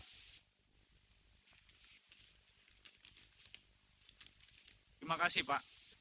terima kasih pak